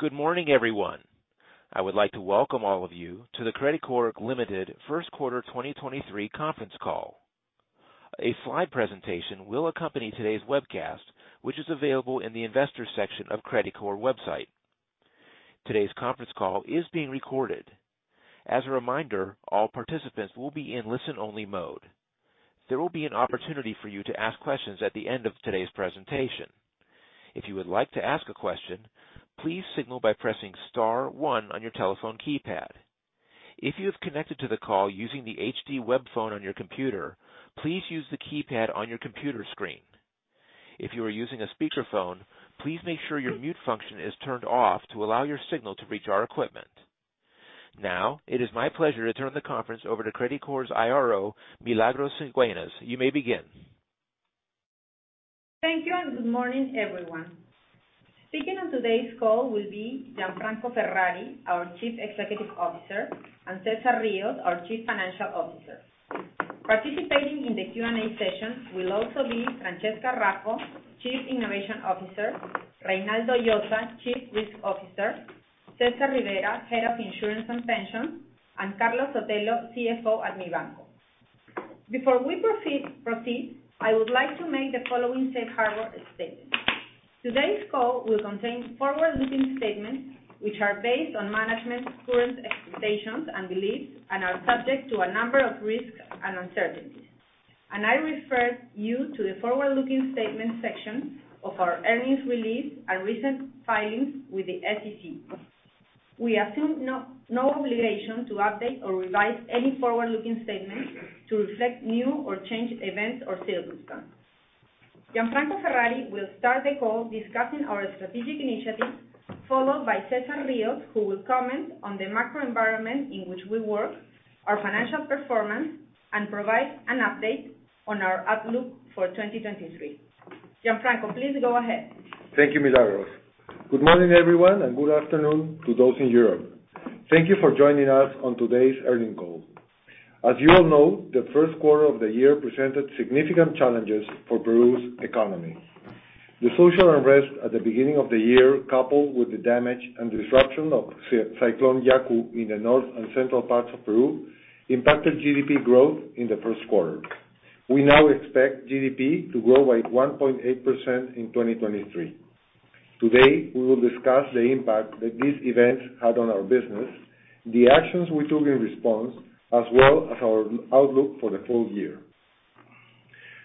Good morning, everyone. I would like to welcome all of you to the Credicorp Ltd. First Quarter 2023 Conference Call. A slide presentation will accompany today's webcast, which is available in the investors section of Credicorp website. Today's conference call is being recorded. As a reminder, all participants will be in listen-only mode. There will be an opportunity for you to ask questions at the end of today's presentation. If you would like to ask a question, please signal by pressing star one on your telephone keypad. If you have connected to the call using the HD web phone on your computer, please use the keypad on your computer screen. If you are using a speakerphone, please make sure your mute function is turned off to allow your signal to reach our equipment. Now, it is my pleasure to turn the conference over to Credicorp's IRO, Milagros Cigüeñas. You may begin. Thank you. Good morning, everyone. Speaking on today's call will be Gianfranco Ferrari, our Chief Executive Officer, and César Rios, our Chief Financial Officer. Participating in the Q&A session will also be Francesca Raffo, Chief Innovation Officer, Reynaldo Llosa, Chief Risk Officer, César Rivera, Head of Insurance and Pension, and Carlos Sotelo, CFO at Mibanco. Before we proceed, I would like to make the following safe harbor statement. Today's call will contain forward-looking statements, which are based on management's current expectations and beliefs and are subject to a number of risks and uncertainties. I refer you to the forward-looking statements section of our earnings release and recent filings with the SEC. We assume no obligation to update or revise any forward-looking statements to reflect new or changed events or circumstances. Gianfranco Ferrari will start the call discussing our strategic initiatives, followed by César Rios, who will comment on the macro environment in which we work, our financial performance, and provide an update on our outlook for 2023. Gianfranco, please go ahead. Thank you, Milagros. Good morning, everyone, and good afternoon to those in Europe. Thank you for joining us on today's earnings call. As you all know, the first quarter of the year presented significant challenges for Peru's economy. The social unrest at the beginning of the year, coupled with the damage and disruption of Cyclone Yaku in the north and central parts of Peru, impacted GDP growth in the first quarter. We now expect GDP to grow by 1.8% in 2023. Today, we will discuss the impact that these events had on our business, the actions we took in response, as well as our outlook for the full year.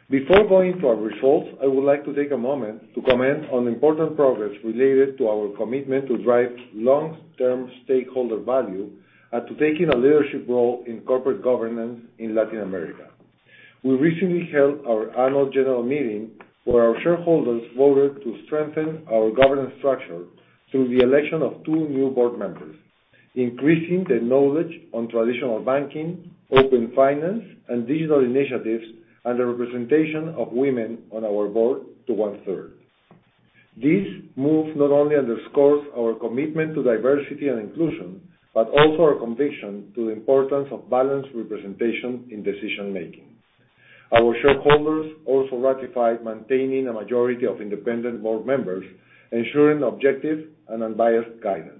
Before going to our results, I would like to take a moment to comment on important progress related to our commitment to drive long-term stakeholder value and to taking a leadership role in corporate governance in Latin America. We recently held our annual general meeting where our shareholders voted to strengthen our governance structure through the election of two new board members, increasing the knowledge on traditional banking, open finance, and digital initiatives, and the representation of women on our board to one-third. This move not only underscores our commitment to diversity and inclusion, but also our conviction to the importance of balanced representation in decision-making. Our shareholders also ratified maintaining a majority of independent board members, ensuring objective and unbiased guidance.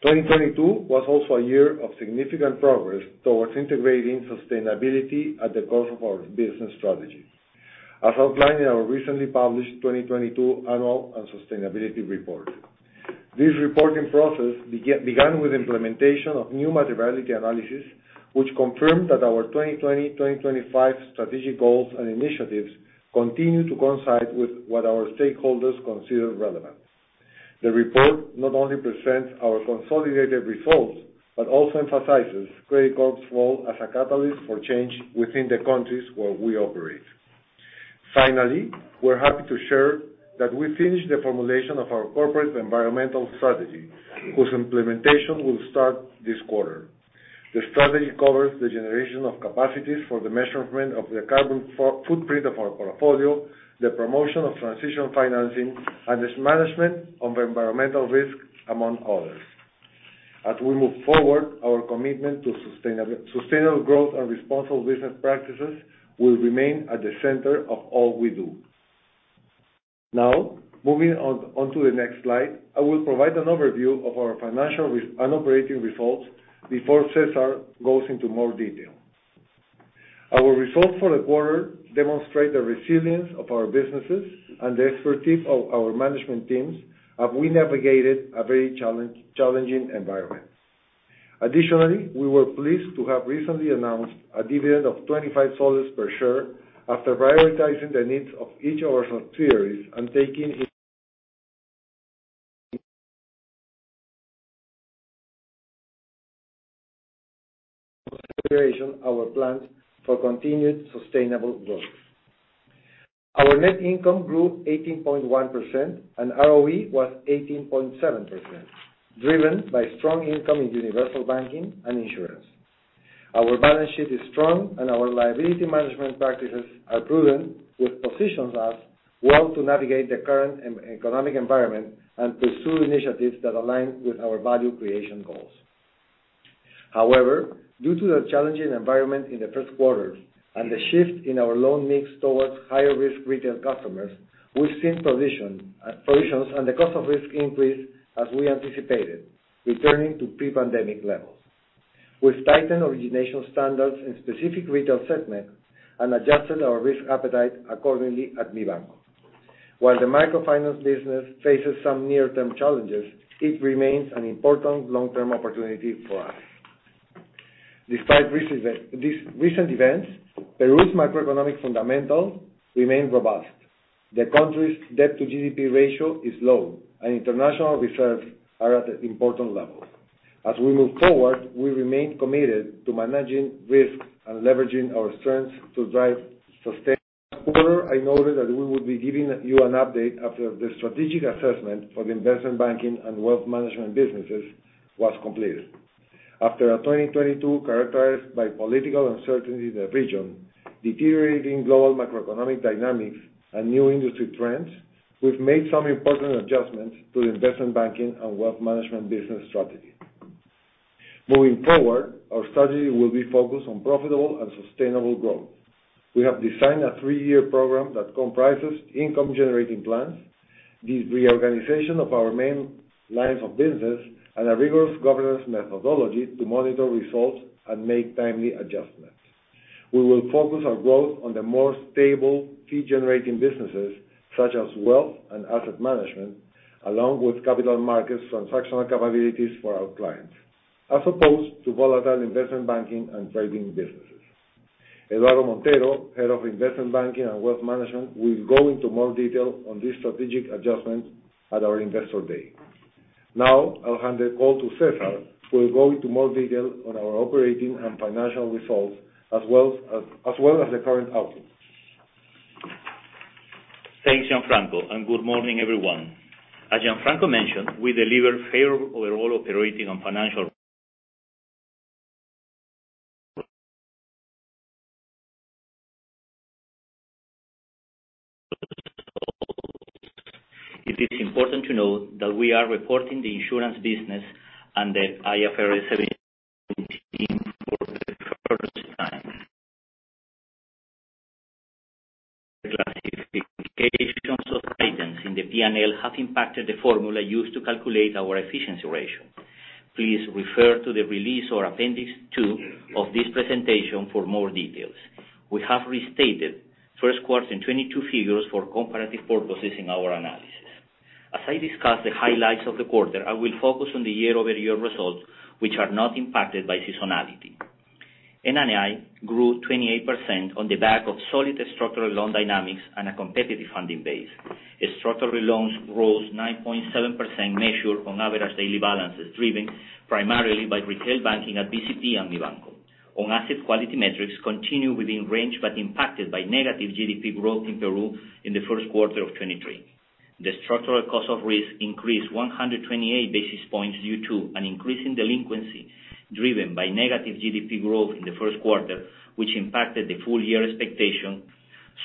2022 was also a year of significant progress towards integrating sustainability at the core of our business strategy, as outlined in our recently published 2022 Annual and Sustainability Report. This reporting process began with implementation of new materiality analysis, which confirmed that our 2025 strategic goals and initiatives continue to coincide with what our stakeholders consider relevant. The report not only presents our consolidated results, but also emphasizes Credicorp's role as a catalyst for change within the countries where we operate. Finally, we're happy to share that we finished the formulation of our corporate environmental strategy, whose implementation will start this quarter. The strategy covers the generation of capacities for the measurement of the carbon footprint of our portfolio, the promotion of transition financing, and this management of environmental risk, among others. As we move forward, our commitment to sustainable growth and responsible business practices will remain at the center of all we do. Moving on to the next slide, I will provide an overview of our financial and operating results before César goes into more detail. Our results for the quarter demonstrate the resilience of our businesses and the expertise of our management teams as we navigated a very challenging environment. We were pleased to have recently announced a dividend of PEN 25 per share after prioritizing the needs of each of our subsidiaries and taking into consideration our plans for continued sustainable growth. Our net income grew 18.1%, and ROE was 18.7%, driven by strong income in universal banking and insurance. Our balance sheet is strong, and our liability management practices are prudent, which positions us well to navigate the current economic environment and pursue initiatives that align with our value creation goals. However, due to the challenging environment in the first quarter and the shift in our loan mix towards higher-risk retail customers, we've seen positions and the cost of risk increase as we anticipated, returning to pre-pandemic levels. We've tightened origination standards in specific retail segments and adjusted our risk appetite accordingly at Mibanco. While the microfinance business faces some near-term challenges, it remains an important long-term opportunity for us. Despite these recent events, Peru's macroeconomic fundamental remain robust. The country's debt-to-GDP ratio is low, and international reserves are at an important level. As we move forward, we remain committed to managing risk and leveraging our strengths to drive sustained. I noted that we would be giving you an update after the strategic assessment for the investment banking and wealth management businesses was completed. After our 2022 characterized by political uncertainty in the region, deteriorating global macroeconomic dynamics, and new industry trends, we've made some important adjustments to investment banking and wealth management business strategy. Moving forward, our strategy will be focused on profitable and sustainable growth. We have designed a three-year program that comprises income-generating plans, the reorganization of our main lines of business, and a rigorous governance methodology to monitor results and make timely adjustments. We will focus our growth on the more stable fee-generating businesses, such as wealth and asset management, along with capital markets transactional capabilities for our clients, as opposed to volatile investment banking and trading businesses. Eduardo Montero, Head of Investment Banking and Wealth Management, will go into more detail on this strategic adjustment at our Investor Day. I'll hand the call to César Rios, who will go into more detail on our operating and financial results as well as the current outlook. Thanks, Gianfranco, and good morning, everyone. As Gianfranco mentioned, we delivered fair overall operating and financial. It is important to note that we are reporting the insurance business and the IFRS 17 for the first time. Classifications of items in the P&L have impacted the formula used to calculate our efficiency ratio. Please refer to the release or appendix two of this presentation for more details. We have restated first quarter 22 figures for comparative purposes in our analysis. As I discuss the highlights of the quarter, I will focus on the year-over-year results, which are not impacted by seasonality. NII grew 28% on the back of solid structural loan dynamics and a competitive funding base. Structural loans rose 9.7% measured on average daily balances, driven primarily by retail banking at BCP and Mibanco. Asset quality metrics continue within range, but impacted by negative GDP growth in Peru in the first quarter of 2023. The structural cost of risk increased 128 basis points due to an increase in delinquency, driven by negative GDP growth in the first quarter, which impacted the full-year expectation,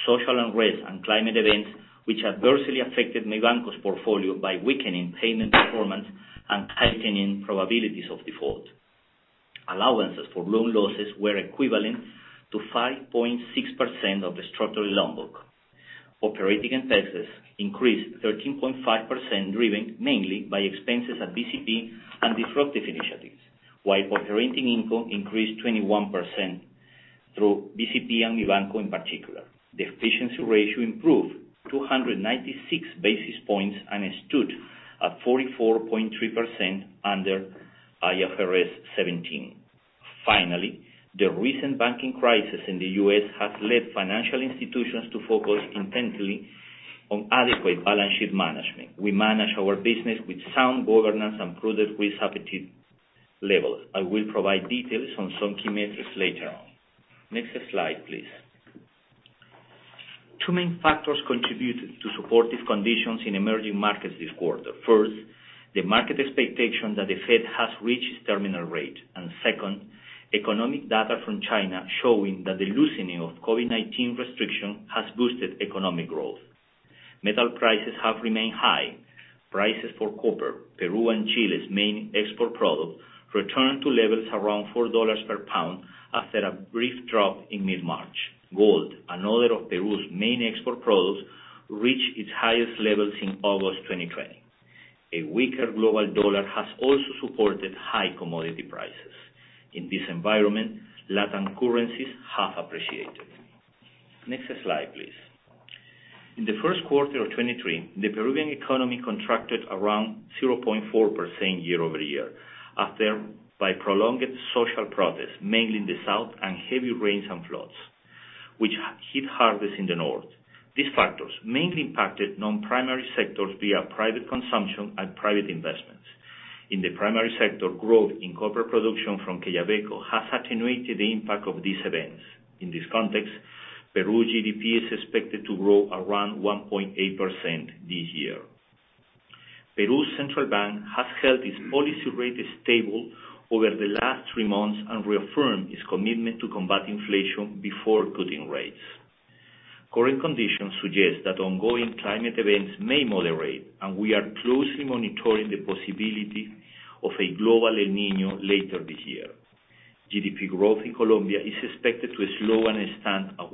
social unrest and climate events, which adversely affected Mibanco's portfolio by weakening payment performance and heightening probabilities of default. Allowances for loan losses were equivalent to 5.6% of the structural loan book. Operating expenses increased 13.5%, driven mainly by expenses at BCP and disruptive initiatives, while operating income increased 21% through BCP and Mibanco in particular. The efficiency ratio improved 296 basis points and stood at 44.3% under IFRS 17. Finally, the recent banking crisis in the U.S. has led financial institutions to focus intently on adequate balance sheet management. We manage our business with sound governance and prudent risk appetite levels. I will provide details on some key metrics later on. Next slide, please. Two main factors contributed to supportive conditions in emerging markets this quarter. First, the market expectation that the Fed has reached terminal rate, and second, economic data from China showing that the loosening of COVID-19 restriction has boosted economic growth. Metal prices have remained high. Prices for copper, Peru and Chile's main export product, returned to levels around $4 per pound after a brief drop in mid-March. Gold, another of Peru's main export products, reached its highest levels in August 2020. A weaker global dollar has also supported high commodity prices. In this environment, Latin currencies have appreciated. Next slide, please. In the first quarter of 2023, the Peruvian economy contracted around 0.4% year-over-year by prolonged social protests, mainly in the south, and heavy rains and floods, which hit hardest in the north. These factors mainly impacted non-primary sectors via private consumption and private investments. In the primary sector, growth in corporate production from Quellaveco has attenuated the impact of these events. In this context, Peru GDP is expected to grow around 1.8% this year. Peru's central bank has held its policy rate stable over the last three months and reaffirmed its commitment to combat inflation before cutting rates. Current conditions suggest that ongoing climate events may moderate, and we are closely monitoring the possibility of a global El Niño later this year. GDP growth in Colombia is expected to slow and stand at 1%,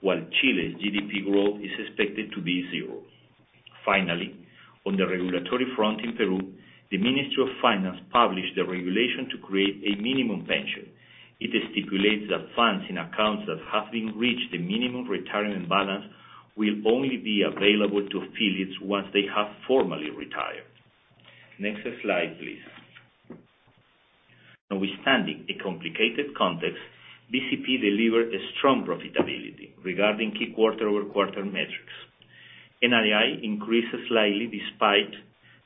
while Chile's GDP growth is expected to be zero. On the regulatory front in Peru, the Ministry of Finance published the regulation to create a minimum pension. It stipulates that funds in accounts that have been reached the minimum retirement balance will only be available to affiliates once they have formally retired. Next slide, please. Notwithstanding a complicated context, BCP delivered a strong profitability regarding key quarter-over-quarter metrics. NII increased slightly despite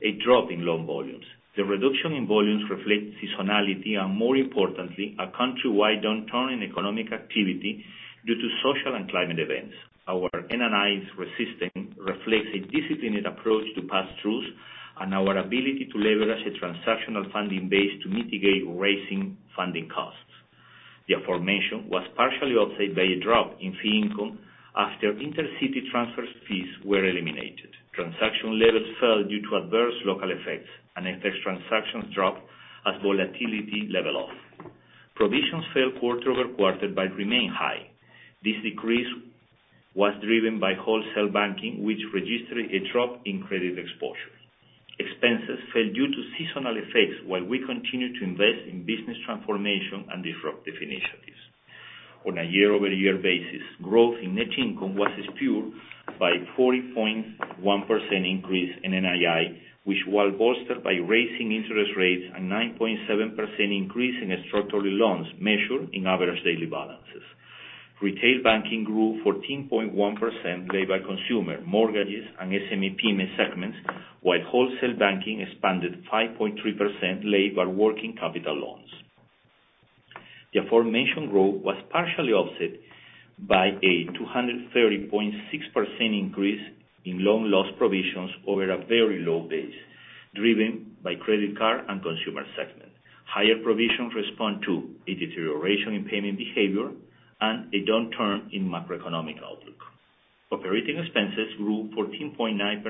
a drop in loan volumes. The reduction in volumes reflects seasonality and more importantly, a country-wide downturn in economic activity due to social and climate events. Our NII resisting reflects a disciplined approach to pass-throughs and our ability to leverage a transactional funding base to mitigate raising funding costs. The aforementioned was partially offset by a drop in fee income after intercity transfer fees were eliminated. Transaction levels fell due to adverse local effects and FX transactions dropped as volatility level off. Provisions fell quarter-over-quarter, but remain high. This decrease was driven by wholesale banking, which registered a drop in credit exposure. Expenses fell due to seasonal effects, while we continue to invest in business transformation and disruptive initiatives. On a year-over-year basis, growth in net income was fueled by 40.1% increase in NII, which was bolstered by raising interest rates and 9.7% increase in structural loans measured in average daily balances. Retail banking grew 14.1% led by consumer mortgages and SME segments, while wholesale banking expanded 5.3% led by working capital loans. The aforementioned growth was partially offset by a 230.6% increase in loan loss provisions over a very low base, driven by credit card and consumer segments. Higher provisions respond to a deterioration in payment behavior and a downturn in macroeconomic outlook. Operating expenses grew 14.9%,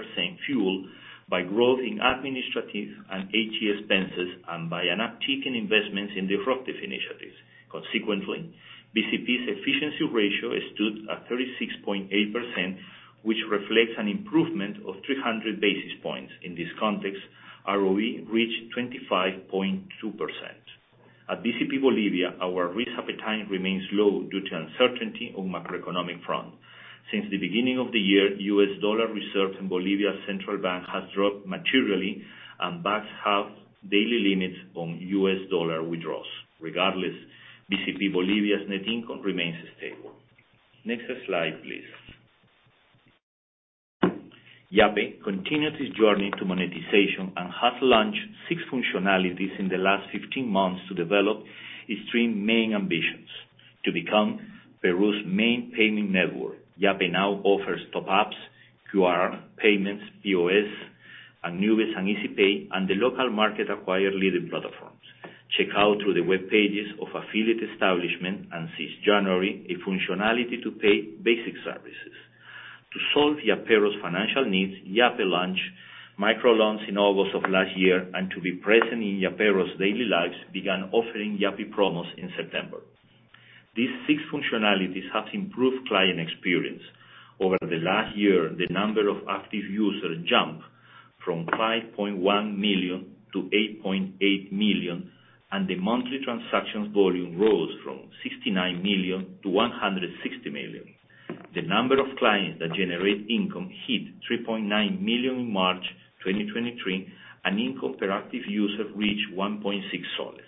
fueled by growth in administrative and IT expenses and by an uptick in investments in disruptive initiatives. Consequently, BCP's efficiency ratio stood at 36.8%, which reflects an improvement of 300 basis points. In this context, ROE reached 25.2%. At BCP Bolivia, our risk appetite remains low due to uncertainty on macroeconomic front. Since the beginning of the year, U.S. dollar reserves in Bolivia's central bank has dropped materially and banks have daily limits on U.S. dollar withdrawals. Regardless, BCP Bolivia's net income remains stable. Next slide, please. Yape continued its journey to monetization and has launched six functionalities in the last 15 months to develop its three main ambitions. To become Peru's main payment network, Yape now offers top-ups, QR payments, POS, Anubis and Easy Pay, and the local market acquire leading platforms. Checkout through the web pages of affiliate establishment, and since January, a functionality to pay basic services. To solve Yaperos financial needs, Yape launched microloans in August of last year, and to be present in Yaperos daily lives, began offering Yape Promos in September. These six functionalities have improved client experience. Over the last year, the number of active users jumped from 5.1 million to 8.8 million, and the monthly transactions volume rose from 69 million to 160 million. The number of clients that generate income hit 3.9 million in March 2023, and income per active user reached PEN 1.6.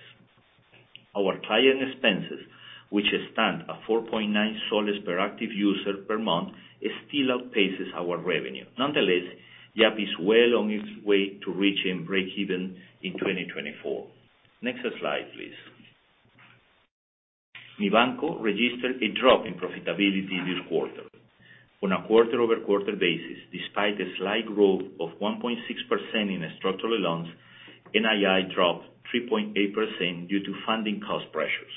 Our client expenses, which stand at 4.9 PEN per active user per month, still outpaces our revenue. Nonetheless, Yape is well on its way to reaching breakeven in 2024. Next slide, please. Mibanco registered a drop in profitability this quarter. On a quarter-over-quarter basis, despite a slight growth of 1.6% in structural loans, NII dropped 3.8% due to funding cost pressures.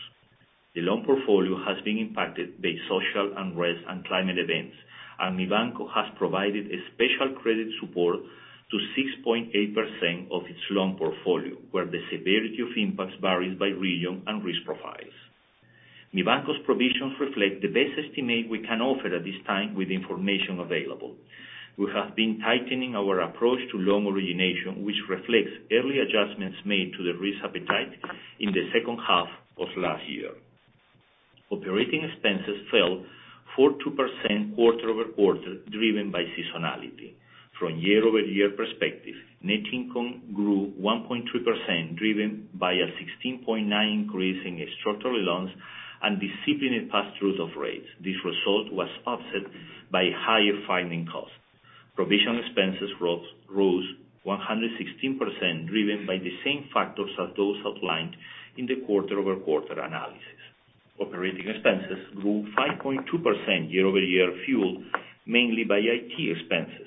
The loan portfolio has been impacted by social unrest and climate events, and Mibanco has provided a special credit support to 6.8% of its loan portfolio, where the severity of impacts varies by region and risk profiles. Mibanco's provisions reflect the best estimate we can offer at this time with information available. We have been tightening our approach to loan origination, which reflects early adjustments made to the risk appetite in the second half of last year. Operating expenses fell 4.2% quarter-over-quarter, driven by seasonality. From year-over-year perspective, net income grew 1.3%, driven by a 16.9% increase in structural loans and disciplined pass-throughs of rates. This result was offset by higher funding costs. Provision expenses rose 116%, driven by the same factors as those outlined in the quarter-over-quarter analysis. Operating expenses grew 5.2% year-over-year, fueled mainly by IT expenses.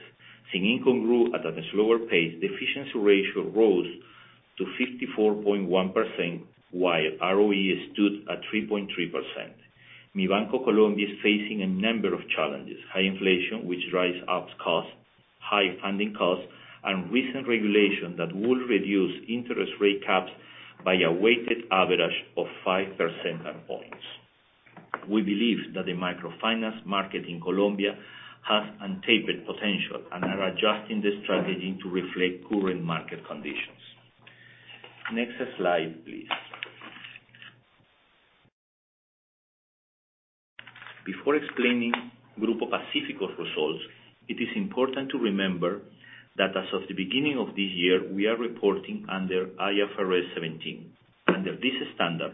As income grew at a slower pace, the efficiency ratio rose to 54.1%, while ROE stood at 3.3%. Mibanco Colombia is facing a number of challenges: high inflation, which drives up costs, high funding costs, and recent regulation that will reduce interest rate caps by a weighted average of 5 percent and points. We believe that the microfinance market in Colombia has untapped potential and are adjusting the strategy to reflect current market conditions. Next slide, please. Before explaining Grupo Pacífico's results, it is important to remember that as of the beginning of this year, we are reporting under IFRS 17. Under this standard,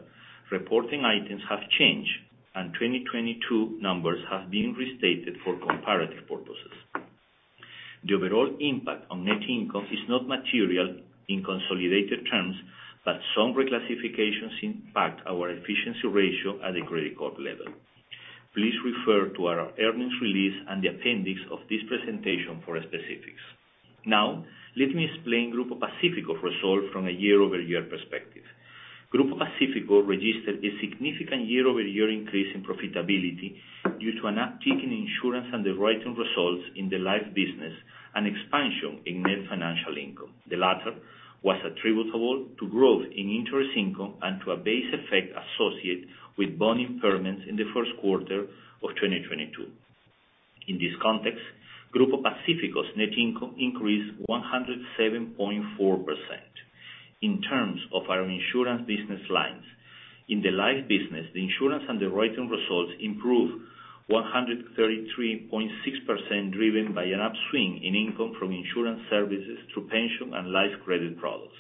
reporting items have changed, and 2022 numbers have been restated for comparative purposes. The overall impact on net income is not material in consolidated terms, but some reclassifications impact our efficiency ratio at the Credicorp level. Please refer to our earnings release and the appendix of this presentation for specifics. Now let me explain Grupo Pacífico's results from a year-over-year perspective. Grupo Pacífico registered a significant year-over-year increase in profitability due to an uptick in insurance underwriting results in the live business and expansion in net financial income. The latter was attributable to growth in interest income and to a base effect associated with bond impairments in the first quarter of 2022. In this context, Grupo Pacífico's net income increased 107.4%. In terms of our insurance business lines, in the life business, the insurance underwriting results improved 133.6%, driven by an upswing in income from insurance services through pension and life credit products.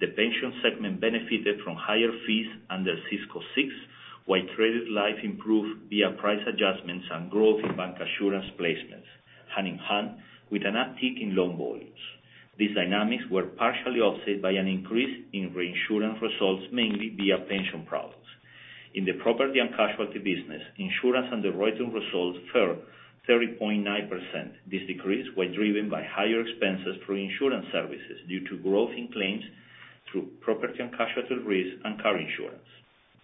The pension segment benefited from higher fees under SISCO six, while credit life improved via price adjustments and growth in bank assurance placements, hand-in-hand with an uptick in loan volumes. These dynamics were partially offset by an increase in reinsurance results, mainly via pension products. In the property and casualty business, insurance underwriting results fell 30.9%. This decrease was driven by higher expenses for insurance services due to growth in claims through property and casualty risk and car insurance.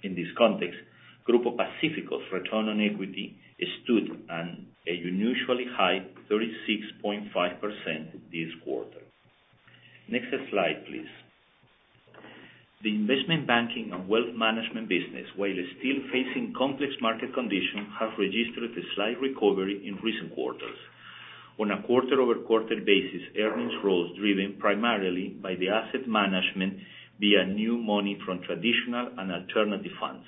In this context, Grupo Pacífico's return on equity stood at an unusually high 36.5% this quarter. Next slide, please. The investment banking and wealth management business, while still facing complex market conditions, have registered a slight recovery in recent quarters. On a quarter-over-quarter basis, earnings rose driven primarily by the asset management via new money from traditional and alternative funds,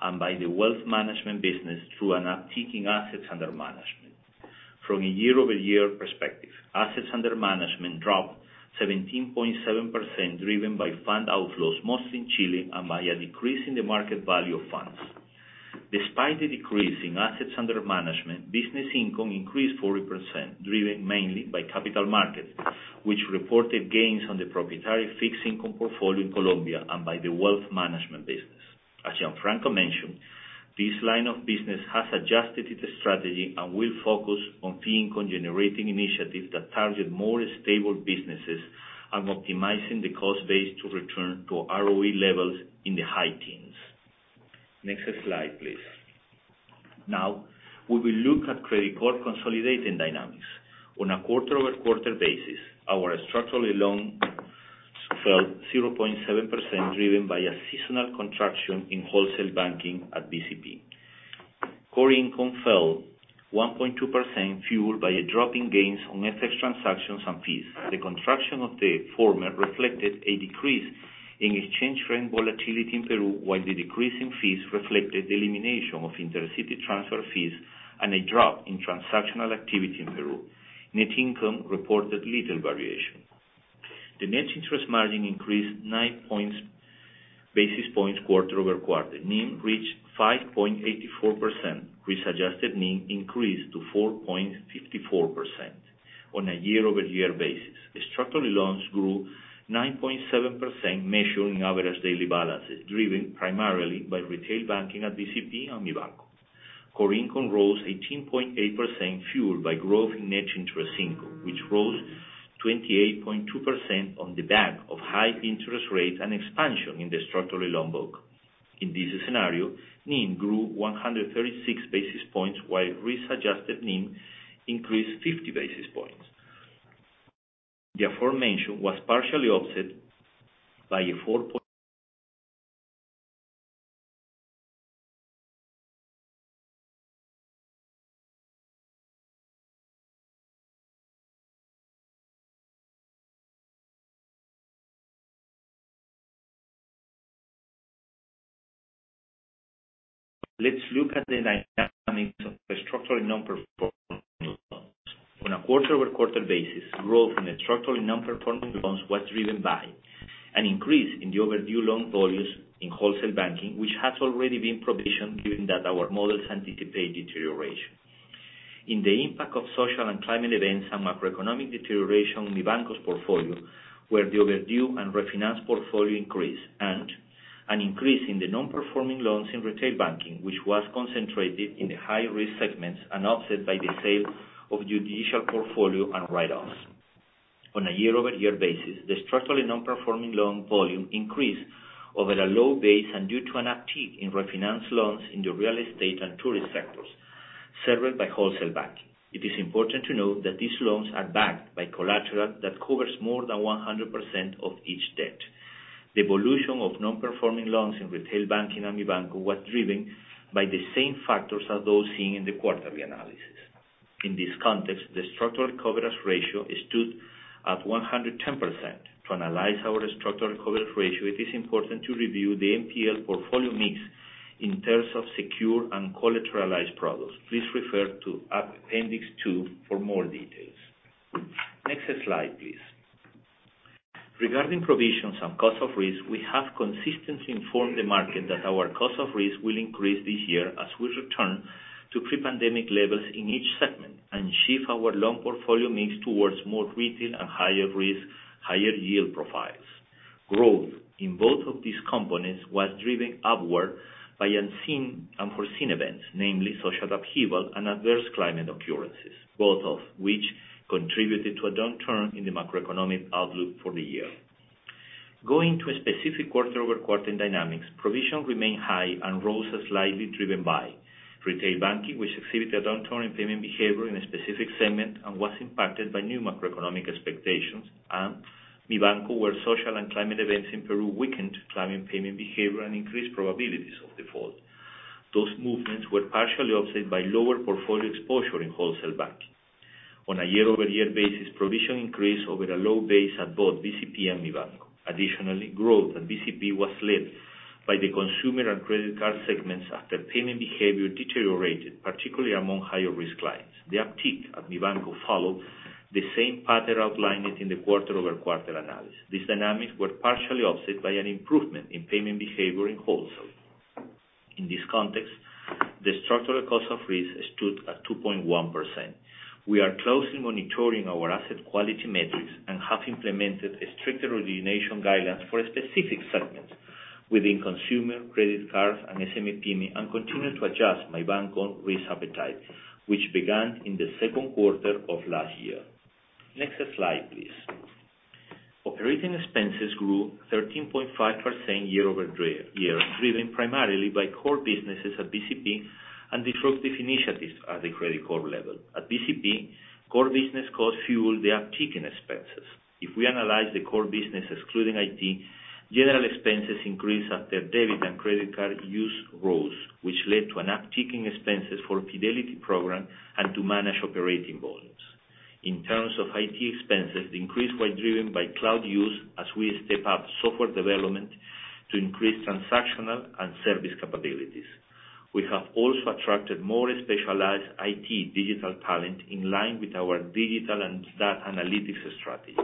and by the wealth management business through an upticking assets under management. From a year-over-year perspective, assets under management dropped 17.7%, driven by fund outflows, mostly in Chile and by a decrease in the market value of funds. Despite the decrease in assets under management, business income increased 40%, driven mainly by capital markets, which reported gains on the proprietary fixed income portfolio in Colombia and by the wealth management business. As Gianfranco mentioned, this line of business has adjusted its strategy and will focus on fee income-generating initiatives that target more stable businesses and optimizing the cost base to return to ROE levels in the high teens. Next slide, please. We will look at Credicorp consolidating dynamics. On a quarter-over-quarter basis, our structural loan fell 0.7%, driven by a seasonal contraction in wholesale banking at BCP. Core income fell 1.2%, fueled by a drop in gains on FX transactions and fees. The contraction of the former reflected a decrease in exchange rate volatility in Peru, while the decrease in fees reflected the elimination of intercity transfer fees and a drop in transactional activity in Peru. Net income reported little variation. The net interest margin increased 9 basis points quarter-over-quarter. NIM reached 5.84%. Risk-adjusted NIM increased to 4.54% on a year-over-year basis. Structural loans grew 9.7%, measured in average daily balances, driven primarily by retail banking at BCP and Mibanco. Core income rose 18.8%, fueled by growth in net interest income, which rose 28.2% on the back of high interest rates and expansion in the structural loan book. In this scenario, NIM grew 136 basis points, while Risk-adjusted NIM increased 50 basis points. The aforementioned was partially offset by a four point. Let's look at the dynamics of structural non-performing loans. On a quarter-over-quarter basis, growth in the structural non-performing loans was driven by an increase in the overdue loan volumes in wholesale banking, which has already been provisioned, given that our models anticipate deterioration. In the impact of social and climate events and macroeconomic deterioration in Mibanco's portfolio, where the overdue and refinance portfolio increased An increase in the non-performing loans in retail banking, which was concentrated in the high-risk segments and offset by the sale of judicial portfolio and write-offs. On a year-over-year basis, the structural non-performing loan volume increased over a low base and due to an uptick in refinance loans in the real estate and tourist sectors, served by wholesale bank. It is important to note that these loans are backed by collateral that covers more than 100% of each debt. The evolution of non-performing loans in retail banking and Mibanco was driven by the same factors as those seen in the quarterly analysis. In this context, the structural coverage ratio stood at 110%. To analyze our structural coverage ratio, it is important to review the NPL portfolio mix in terms of secure and collateralized products. Please refer to appendix two for more details. Next slide, please. Regarding provisions and cost of risk, we have consistently informed the market that our cost of risk will increase this year as we return to pre-pandemic levels in each segment and shift our loan portfolio mix towards more retail and higher risk, higher yield profiles. Growth in both of these components was driven upward by unseen, unforeseen events, namely social upheaval and adverse climate occurrences, both of which contributed to a downturn in the macroeconomic outlook for the year. Going to a specific quarter-over-quarter dynamics, provisions remain high and rose slightly, driven by retail banking, which exhibited a downturn in payment behavior in a specific segment and was impacted by new macroeconomic expectations and Mibanco, where social and climate events in Peru weakened client payment behavior and increased probabilities of default. Those movements were partially offset by lower portfolio exposure in wholesale banking. On a year-over-year basis, provision increased over a low base at both BCP and Mibanco. Additionally, growth at BCP was led by the consumer and credit card segments after payment behavior deteriorated, particularly among higher-risk clients. The uptick at Mibanco followed the same pattern outlined in the quarter-over-quarter analysis. These dynamics were partially offset by an improvement in payment behavior in wholesale. In this context, the structural cost of risk stood at 2.1%. We are closely monitoring our asset quality metrics and have implemented a stricter origination guidelines for specific segments within consumer, credit cards, and SME-Pyme, and continue to adjust Mibanco risk appetite, which began in the second quarter of last year. Next slide, please. Operating expenses grew 13.5% year-over-year, driven primarily by core businesses at BCP and disruptive initiatives at the Credicorp level. At BCP, core business costs fueled the uptick in expenses. If we analyze the core business excluding IT, general expenses increased after debit and credit card use rose, which led to an upticking expenses for fidelity program and to manage operating volumes. In terms of IT expenses, the increase was driven by cloud use as we step up software development to increase transactional and service capabilities. We have also attracted more specialized IT digital talent in line with our digital and analytics strategy.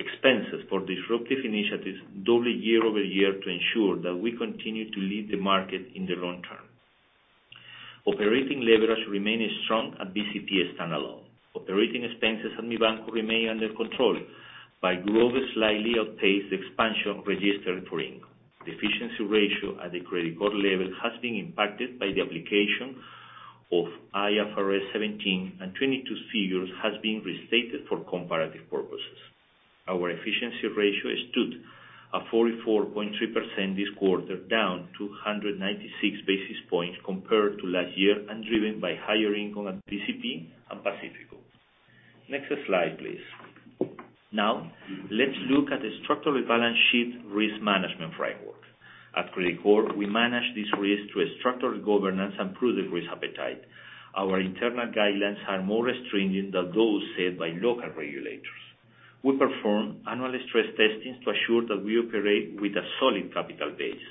Expenses for disruptive initiatives doubled year-over-year to ensure that we continue to lead the market in the long term. Operating leverage remained strong at BCP standalone. Operating expenses at Mibanco remain under control by growth slightly outpaced expansion registered for income. The efficiency ratio at the Credicorp level has been impacted by the application of IFRS 17, and 22 figures has been restated for comparative purposes. Our efficiency ratio stood at 44.3% this quarter, down 296 basis points compared to last year, and driven by higher income at BCP and Pacífico. Next slide, please. Now, let's look at the structural balance sheet risk management framework. At Credicorp, we manage this risk through a structured governance and prudent risk appetite. Our internal guidelines are more stringent than those set by local regulators. We perform annual stress testings to assure that we operate with a solid capital base.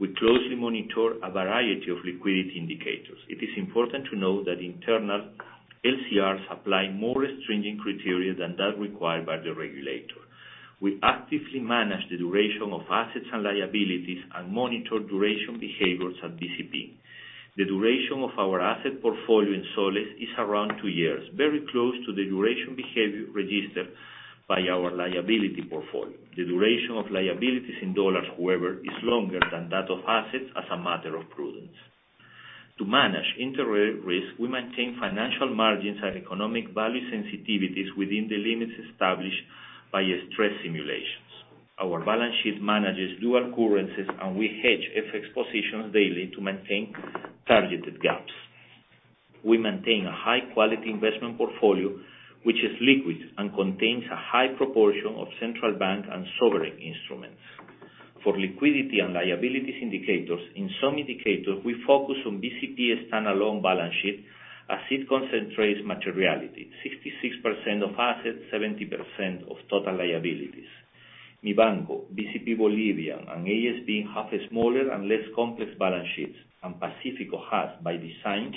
We closely monitor a variety of liquidity indicators. It is important to note that internal LCRs apply more stringent criteria than that required by the regulator. We actively manage the duration of assets and liabilities and monitor duration behaviors at BCP. The duration of our asset portfolio in soles is around two years, very close to the duration behavior registered by our liability portfolio. The duration of liabilities in dollars, however, is longer than that of assets as a matter of prudence. To manage interest rate risk, we maintain financial margins and economic value sensitivities within the limits established by stress simulations. Our balance sheet managers do occurrences, and we hedge FX positions daily to maintain targeted gaps. We maintain a high-quality investment portfolio, which is liquid and contains a high proportion of central bank and sovereign instruments. For liquidity and liabilities indicators, in some indicators, we focus on BCP standalone balance sheet as it concentrates materiality, 66% of assets, 70% of total liabilities. Mibanco, BCP Bolivia, and ASB have smaller and less complex balance sheets, and Pacífico has, by design,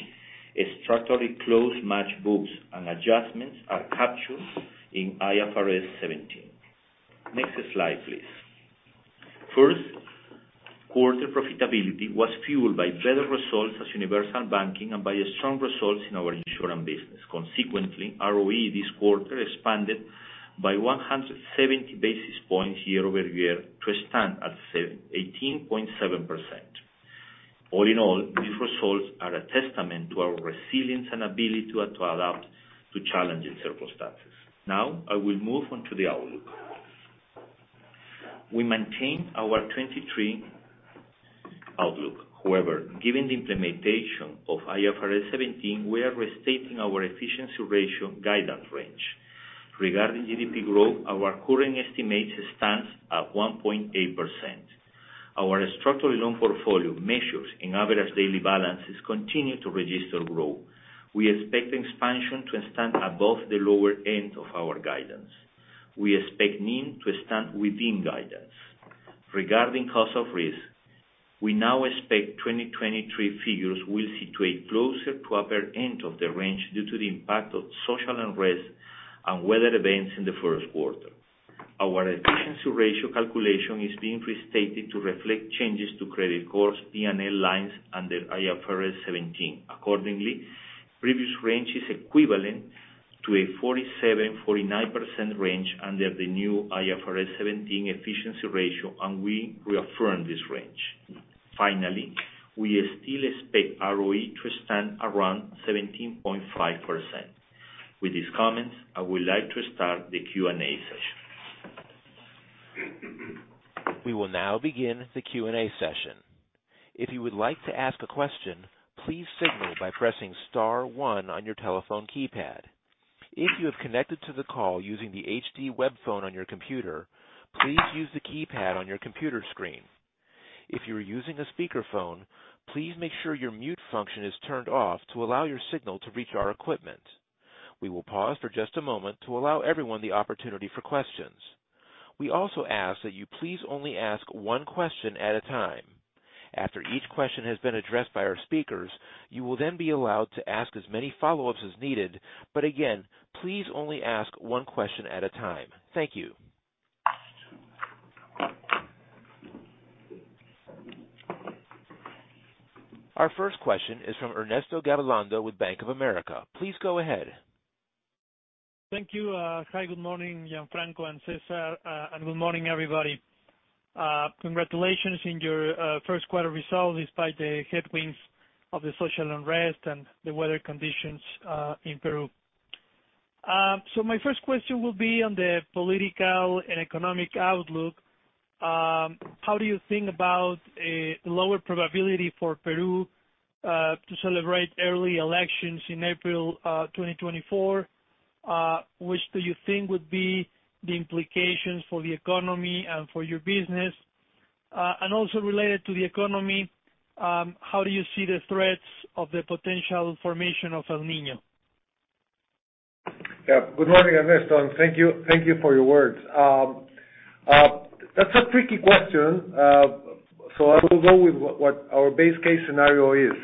structurally close match books and adjustments are captured in IFRS 17. Next slide, please. First quarter profitability was fueled by better results as Universal Banking and by the strong results in our insurance business. Consequently, ROE this quarter expanded- by 170 basis points year-over-year to stand at 18.7%. All in all, these results are a testament to our resilience and ability to adapt to challenging circumstances. Now, I will move on to the outlook. We maintain our 2023 outlook. However, given the implementation of IFRS 17, we are restating our efficiency ratio guidance range. Regarding GDP growth, our current estimate stands at 1.8%. Our structural loan portfolio measures in average daily balances continue to register growth. We expect expansion to stand above the lower end of our guidance. We expect NIM to stand within guidance. Regarding cost of risk, we now expect 2023 figures will situate closer to upper end of the range due to the impact of social unrest and weather events in the first quarter. Our efficiency ratio calculation is being restated to reflect changes to credit costs, P&L lines under IFRS 17. Previous range is equivalent to a 47%-49% range under the new IFRS 17 efficiency ratio, and we reaffirm this range. We still expect ROE to stand around 17.5%. With these comments, I would like to start the Q&A session. We will now begin the Q&A session. If you would like to ask a question, please signal by pressing star one on your telephone keypad. If you have connected to the call using the HD web phone on your computer, please use the keypad on your computer screen. If you are using a speakerphone, please make sure your mute function is turned off to allow your signal to reach our equipment. We will pause for just a moment to allow everyone the opportunity for questions. We also ask that you please only ask one question at a time. After each question has been addressed by our speakers, you will then be allowed to ask as many follow-ups as needed. Again, please only ask one question at a time. Thank you. Our first question is from Ernesto Gabilondo with Bank of America. Please go ahead. Thank you. Hi, good morning, Gianfranco and César, and good morning, everybody. Congratulations in your first quarter results despite the headwinds of the social unrest and the weather conditions in Peru. My first question will be on the political and economic outlook. How do you think about a lower probability for Peru to celebrate early elections in April 2024? Which do you think would be the implications for the economy and for your business? Also related to the economy, how do you see the threats of the potential formation of El Niño? Good morning, Ernesto, thank you for your words. That's a tricky question. I will go with what our base case scenario is.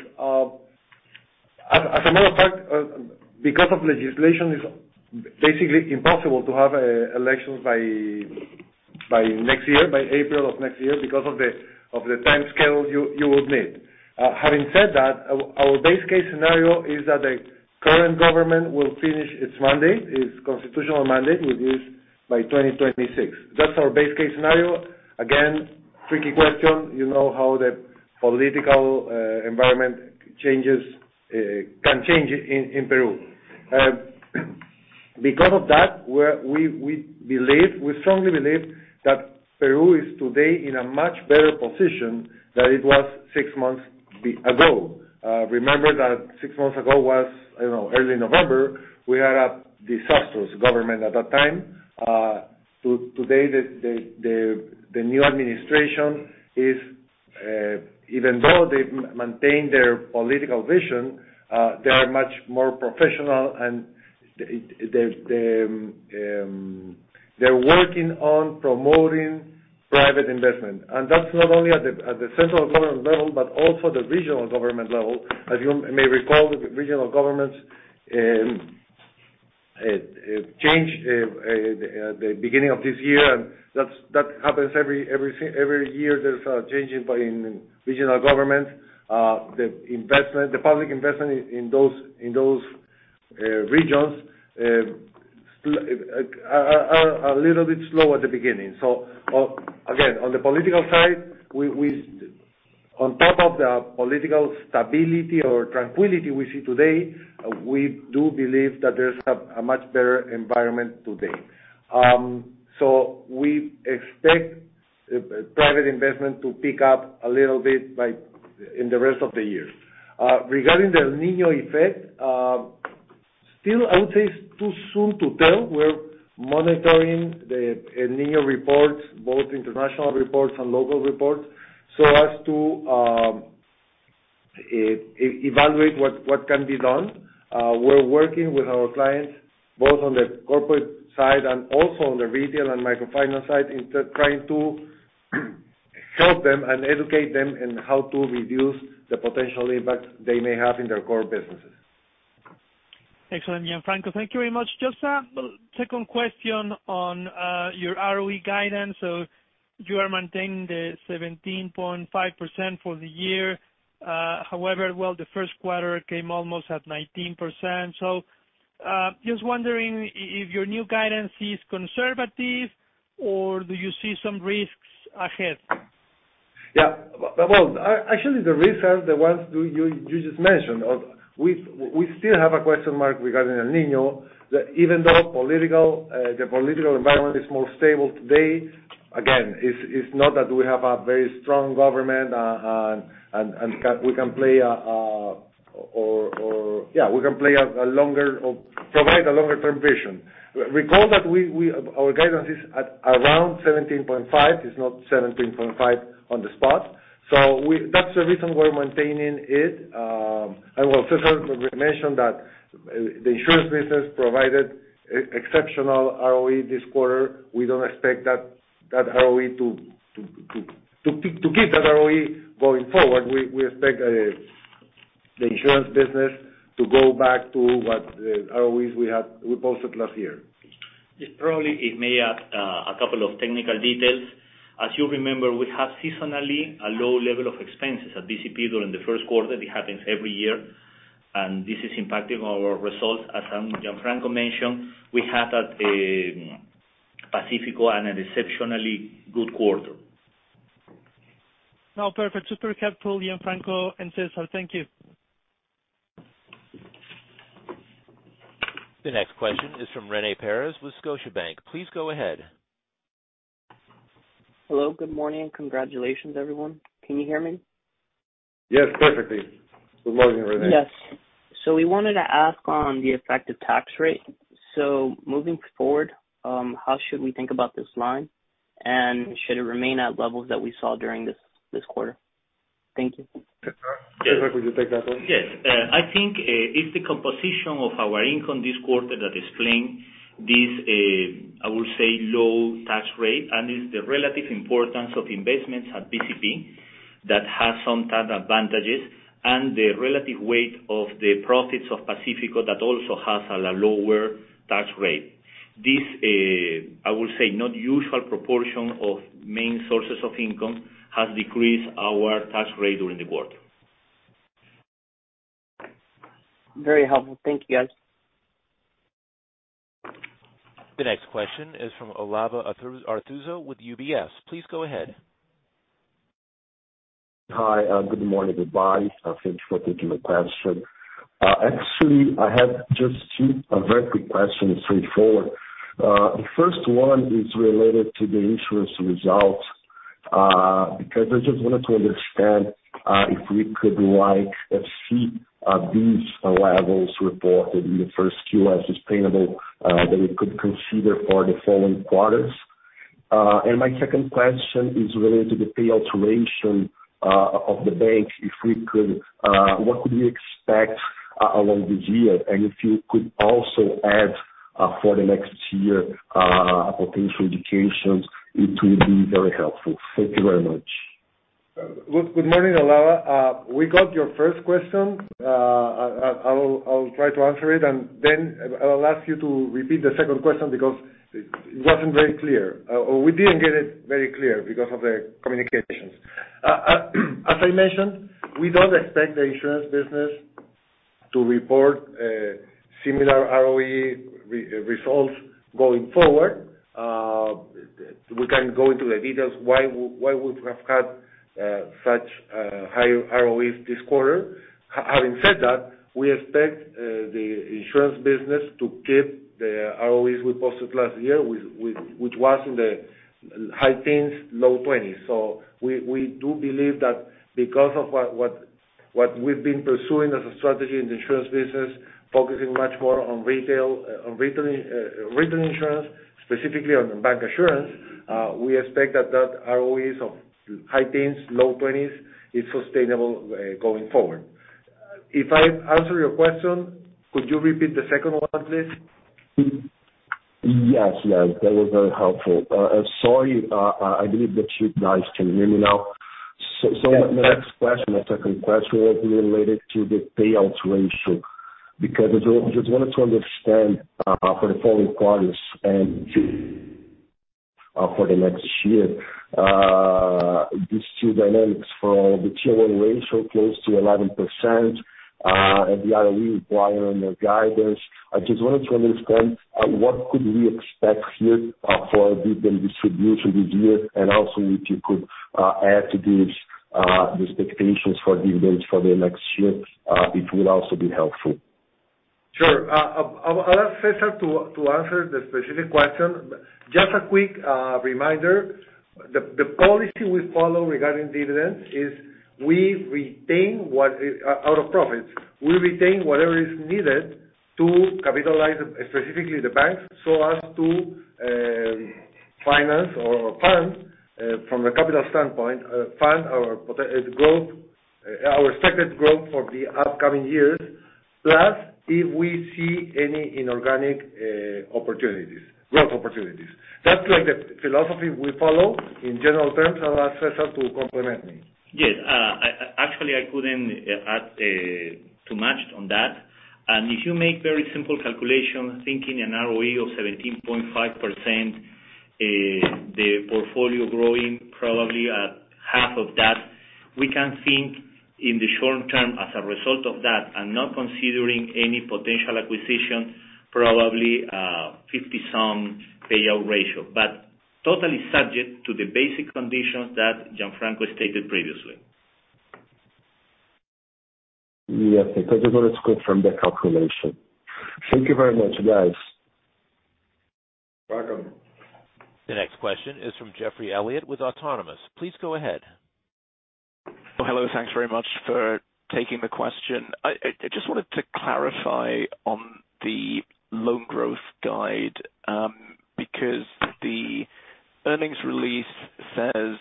As a matter of fact, because of legislation, it's basically impossible to have elections by next year, by April of next year because of the timescale you would need. Having said that, our base case scenario is that the current government will finish its mandate, its constitutional mandate, which is by 2026. That's our base case scenario. Again, tricky question. You know how the political environment changes, can change in Peru. Because of that, we strongly believe that Peru is today in a much better position than it was six months ago. Remember that six months ago was, you know, early November. We had a disastrous government at that time. Today, the new administration is, even though they maintain their political vision, they are much more professional and they're working on promoting private investment. That's not only at the central government level, but also the regional government level. As you may recall, the regional governments changed at the beginning of this year, and that's, that happens every year. There's a change in regional government. The investment, the public investment in those, in those regions, are a little bit slow at the beginning. Again, on the political side, we...on top of the political stability or tranquility we see today, we do believe that there's a much better environment today. We expect private investment to pick up a little bit in the rest of the year. Regarding the El Niño effect, still I would say it's too soon to tell. We're monitoring the El Niño reports, both international reports and local reports, so as to evaluate what can be done. We're working with our clients, both on the corporate side and also on the retail and microfinance side, in trying to help them and educate them in how to reduce the potential impact they may have in their core businesses. Excellent, Gianfranco. Thank you very much. Just a second question on your ROE guidance. You are maintaining the 17.5% for the year. However, well, the first quarter came almost at 19%. Just wondering if your new guidance is conservative or do you see some risks ahead? Well, actually the risks are the ones you just mentioned of. We still have a question mark regarding El Niño. Even though political, the political environment is more stable today, again, it's not that we have a very strong government and we can play a or provide a longer term vision. Recall that we. Our guidance is at around 17.5, it's not 17.5 on the spot. That's the reason we're maintaining it. Well, César mentioned that the insurance business provided exceptional ROE this quarter. We don't expect that ROE to keep that ROE going forward. We expect the insurance business to go back to what the ROEs we posted last year. Yes. Probably, if may add, a couple of technical details. As you remember, we have seasonally a low level of expenses at BCP during the first quarter. It happens every year, and this is impacting our results. As Gianfranco mentioned, we had at Pacífico an exceptionally good quarter. No, perfect. Super helpful, Gianfranco and César. Thank you. The next question is from René Perez with Scotiabank. Please go ahead. Hello, good morning. Congratulations, everyone. Can you hear me? Yes, perfectly. Good morning, René. Yes. We wanted to ask on the effective tax rate. Moving forward, how should we think about this line? Should it remain at levels that we saw during this quarter? Thank you. César, would you take that one? Yes. I think, it's the composition of our income this quarter that explain this, I would say, low tax rate, and it's the relative importance of investments at BCP that has some tax advantages and the relative weight of the profits of Pacífico that also has a lower tax rate. This, I would say, not usual proportion of main sources of income has decreased our tax rate during the quarter. Very helpful. Thank you, guys. The next question is from Olavo Arthuzo with UBS. Please go ahead. Hi, good morning, everybody. Thanks for taking the question. Actually, I have just two very quick questions straight forward. The first one is related to the insurance results, because I just wanted to understand if we could like see these levels reported in the first Q as sustainable that we could consider for the following quarters. My second question is related to the payout ratio of the bank. If we could, what could we expect along this year? If you could also add for the next year potential indications, it will be very helpful. Thank you very much. Good morning, Olavo. We got your first question. I'll try to answer it, and then I'll ask you to repeat the second question because it wasn't very clear, or we didn't get it very clear because of the communications. As I mentioned, we don't expect the insurance business to report similar ROE results going forward. We can go into the details why we have had such high ROEs this quarter. Having said that, we expect the insurance business to keep the ROEs we posted last year which was in the high teens, low 20s. We do believe that because of what we've been pursuing as a strategy in the insurance business, focusing much more on retail, on retail insurance, specifically on bank insurance, we expect that ROEs of high teens, low twenties is sustainable going forward. If I answered your question, could you repeat the second one, please? Yes. That was very helpful. Sorry, I believe that you guys can hear me now. The second question was related to the payouts ratio. I just wanted to understand for the following quarters and for the next year, these two dynamics for the Tier 1 ratio close to 11%, and the ROE requiring your guidance. I just wanted to understand what could we expect here for dividend distribution this year, and also if you could add to these the expectations for dividends for the next year, it will also be helpful. Sure. I'll ask César to answer the specific question. Just a quick reminder, the policy we follow regarding dividends is we retain our profits. We retain whatever is needed to capitalize specifically the banks so as to finance or fund from a capital standpoint, fund our growth, our expected growth for the upcoming years. Plus, if we see any inorganic opportunities, growth opportunities. That's like the philosophy we follow in general terms. I'll ask César to complement me. Yes. actually, I couldn't add too much on that. If you make very simple calculation, thinking an ROE of 17.5%, the portfolio growing probably at half of that, we can think in the short term as a result of that, and not considering any potential acquisition, probably, 50% some payout ratio. Totally subject to the basic conditions that Gianfranco stated previously. Yes, because it goes from the calculation. Thank you very much, guys. Welcome. The next question is from Geoffrey Elliott with Autonomous. Please go ahead. Hello. Thanks very much for taking the question. I just wanted to clarify on the loan growth guide, because the earnings release says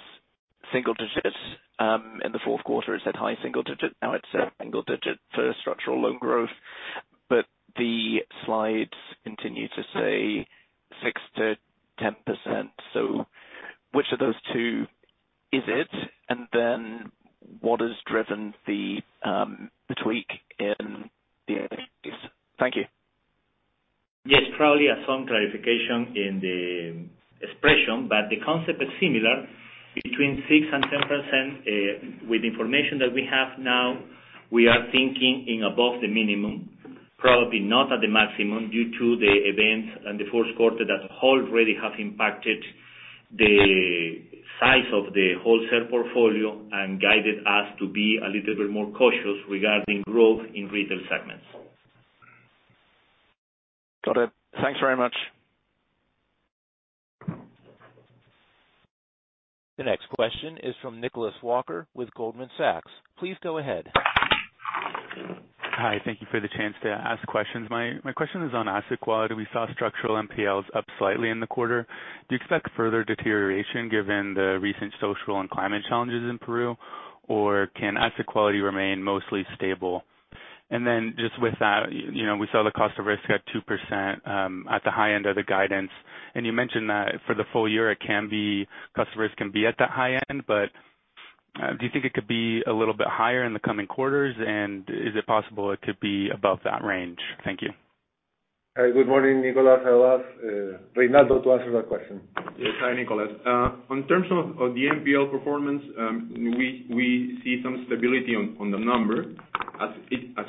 single digits, in the fourth quarter, it said high single digit. Now it's single digit for structural loan growth, but the slides continue to say 6%-10%. Which of those two is it? What has driven the tweak in the Thank you. Yes, probably some clarification in the expression, but the concept is similar between 6% and 10%. With information that we have now, we are thinking in above the minimum, probably not at the maximum, due to the events in the fourth quarter that already have impacted the size of the wholesale portfolio and guided us to be a little bit more cautious regarding growth in retail segments. Got it. Thanks very much. The next question is from Nicholas Walker with Goldman Sachs. Please go ahead. Hi. Thank you for the chance to ask questions. My question is on asset quality. We saw structural NPLs up slightly in the quarter. Do you expect further deterioration given the recent social and climate challenges in Peru? Or can asset quality remain mostly stable? Just with that, you know, we saw the cost of risk at 2%, at the high end of the guidance. You mentioned that for the full year, customers can be at that high end. Do you think it could be a little bit higher in the coming quarters? Is it possible it could be above that range? Thank you. Good morning, Nicholas. I'll ask Reynaldo to answer that question. Yes. Hi, Nicholas. In terms of the NPL performance, we see some stability on the number. As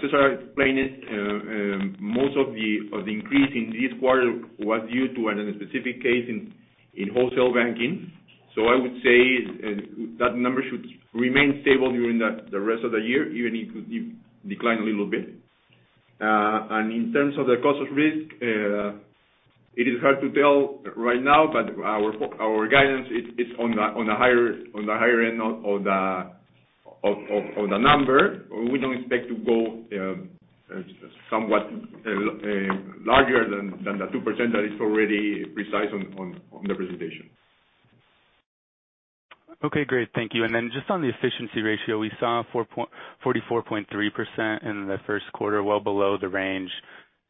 César explained it, most of the increase in this quarter was due to a specific case in wholesale banking. I would say that number should remain stable during the rest of the year, even if it decline a little bit. In terms of the cost of risk, it is hard to tell right now, but our guidance it's on the higher end of the number. We don't expect to go somewhat larger than the 2% that is already precise on the presentation. Okay, great. Thank you. Then just on the efficiency ratio, we saw 44.3% in the first quarter, well below the range.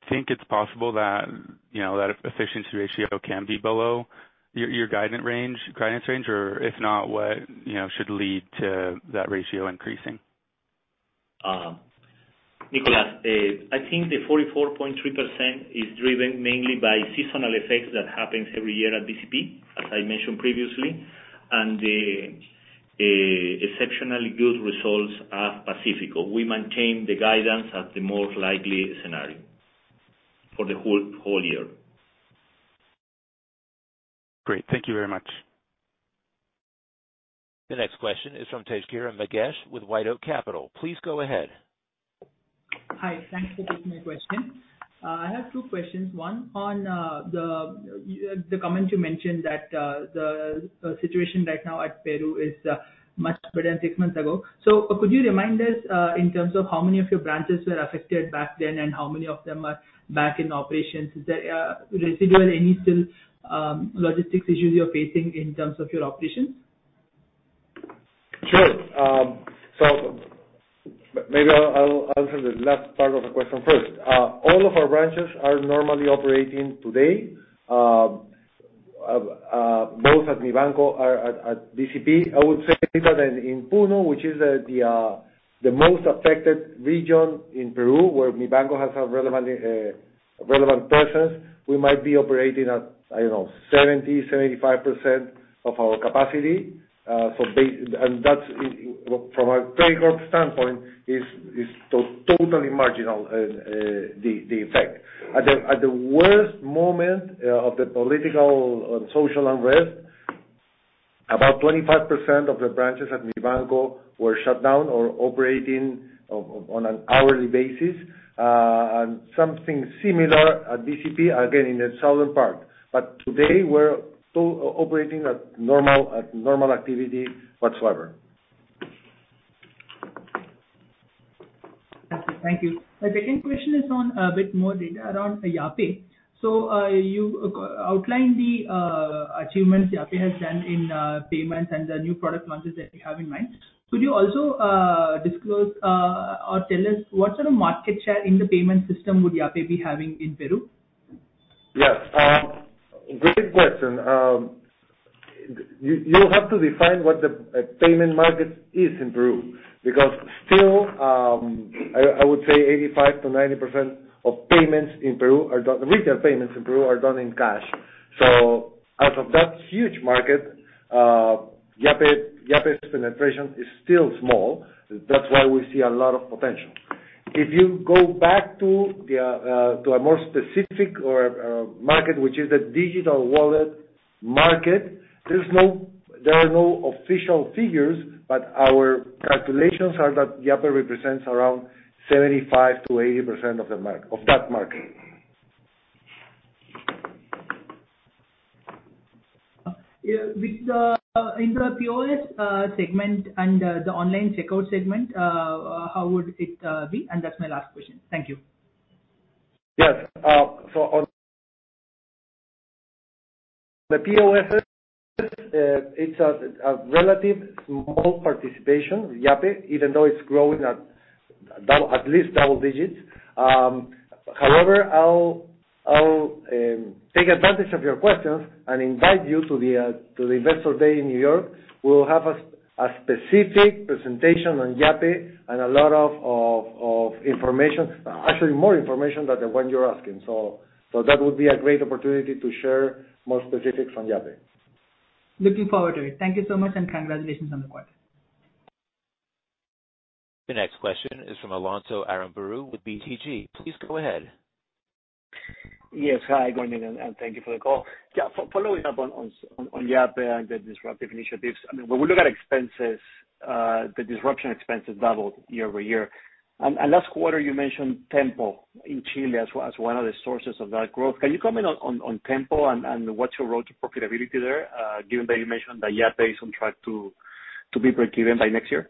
Think it's possible that, you know, that efficiency ratio can be below your guidance range? If not, what, you know, should lead to that ratio increasing? Nicholas, I think the 44.3% is driven mainly by seasonal effects that happens every year at BCP, as I mentioned previously, and the exceptionally good results at Pacífico. We maintain the guidance as the most likely scenario for the whole year. Great. Thank you very much. The next question is from Tejkiran Magesh with WhiteOak Capital. Please go ahead. Hi. Thanks for taking my question. I have two questions. One on the comment you mentioned that the situation right now at Peru is much better than six months ago. Could you remind us in terms of how many of your branches were affected back then, and how many of them are back in operations? Is there residual any still logistics issues you're facing in terms of your operations? Maybe I'll answer the last part of the question first. All of our branches are normally operating today, both at Mibanco or at BCP. I would say that in Puno, which is the most affected region in Peru, where Mibanco has a relevant presence, we might be operating at, I don't know, 70%-75% of our capacity. That's, from a trade-off standpoint, is totally marginal, the effect. At the worst moment of the political and social unrest, about 25% of the branches at Mibanco were shut down or operating on an hourly basis. Something similar at BCP, again, in the southern part. Today, we're still operating at normal activity whatsoever. Okay, thank you. My second question is on a bit more data around Yape. You outlined the achievements Yape has done in payments and the new product launches that you have in mind. Could you also disclose or tell us what sort of market share in the payment system would Yape be having in Peru? Yes, great question. You have to define what the payment market is in Peru, because still, I would say 85%-90% of the retail payments in Peru are done in cash. Out of that huge market, Yape's penetration is still small. That's why we see a lot of potential. If you go back to the to a more specific or market, which is the digital wallet market, there are no official figures, but our calculations are that Yape represents around 75%-80% of that market. Yeah. In the POS segment and the online checkout segment, how would it be? That's my last question. Thank you. The POS, it's a relative small participation, Yape, even though it's growing at least double digits. However, I'll take advantage of your questions and invite you to the investor day in New York. We'll have a specific presentation on Yape and a lot of information. Actually, more information than the one you're asking. That would be a great opportunity to share more specifics on Yape. Looking forward to it. Thank you so much. Congratulations on the quarter. The next question is from Alonso Aramburu with BTG. Please go ahead. Yes. Hi, good morning, and thank you for the call. Yes. Following up on Yape and the disruptive initiatives. I mean, when we look at expenses, the disruption expenses doubled year-over-year. Last quarter you mentioned Tenpo in Chile as one of the sources of that growth. Can you comment on Tenpo and what's your road to profitability there, given that you mentioned that Yape is on track to be breakeven by next year?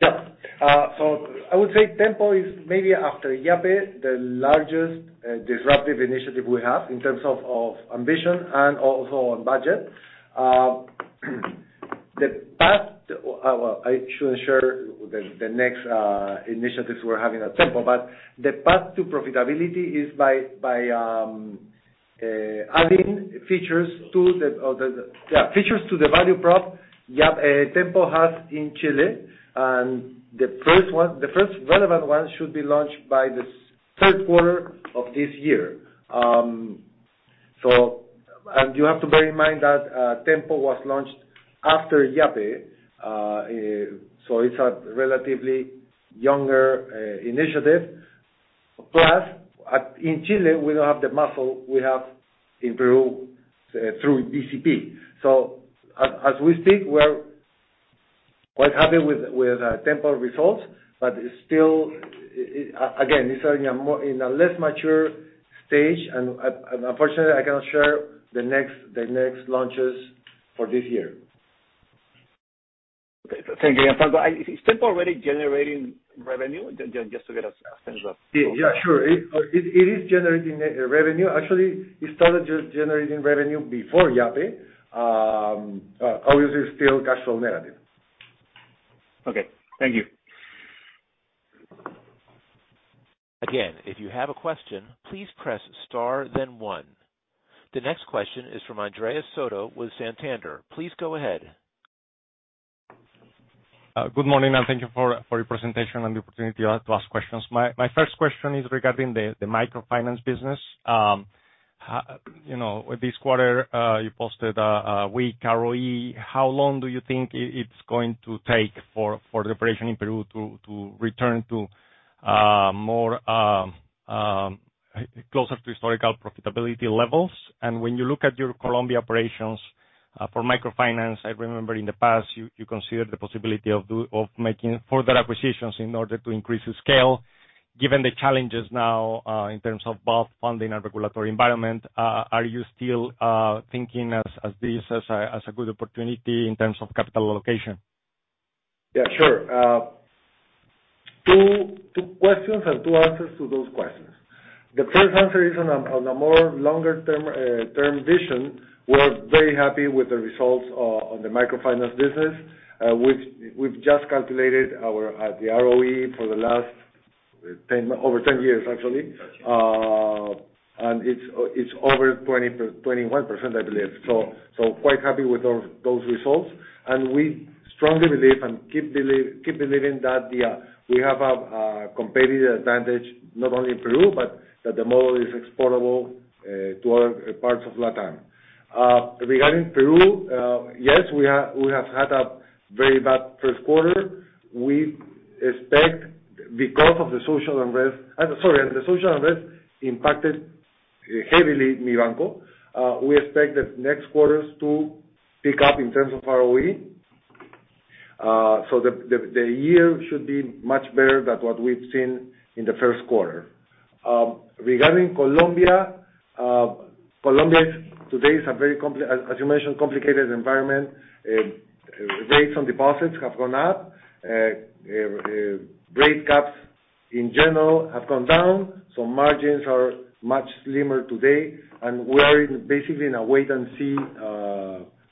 Yeah. I would say Tenpo is maybe after Yape, the largest disruptive initiative we have in terms of ambition and also on budget. The path... Well, I shouldn't share the next initiatives we're having at Tenpo, but the path to profitability is by adding features to the... Yeah, features to the value prop Yape, Tenpo has in Chile. The first one, the first relevant one should be launched by the third quarter of this year. You have to bear in mind that Tenpo was launched after Yape. So it's a relatively younger initiative. Plus, in Chile, we don't have the muscle we have in Peru through BCP. As we speak, we're quite happy with Tenpo results, but it's still...again, it's in a less mature stage. Unfortunately, I cannot share the next launches for this year. Okay. Thank you. Gianfranco, is Tenpo already generating revenue? Just to get a sense of. Yeah, sure. It is generating revenue. Actually, it started generating revenue before Yape. Obviously still cash flow negative. Okay. Thank you. Again, if you have a question, please press star then one. The next question is from Andres Soto with Santander. Please go ahead. Good morning. Thank you for your presentation and the opportunity to ask questions. My first question is regarding the microfinance business. You know, this quarter, you posted a weak ROE. How long do you think it's going to take for the operation in Peru to return to more closer to historical profitability levels? When you look at your Colombia operations, for microfinance, I remember in the past you considered the possibility of making further acquisitions in order to increase the scale. Given the challenges now, in terms of both funding and regulatory environment, are you still thinking as this as a good opportunity in terms of capital allocation? Sure. Two questions and two answers to those questions. The first answer is on a, on a more longer term vision. We're very happy with the results on the microfinance business, which we've just calculated our, the ROE for the last 10, over 10 years, actually. It's, it's over 21%, I believe. Quite happy with those results. We strongly believe and keep believing that the, we have a competitive advantage not only in Peru, but that the model is exportable, to other parts of LatAm. Regarding Peru, yes, we have had a very bad first quarter. We expect because of the social unrest. Sorry. The social unrest impacted heavily Mibanco. We expect the next quarters to pick up in terms of ROE. The year should be much better than what we've seen in the first quarter. Regarding Colombia today is a very complicated environment. Rates on deposits have gone up. Rate caps in general have gone down, margins are much slimmer today. We are basically in a wait-and-see